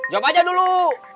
jawab aja dulu